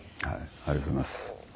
ありがとうございます。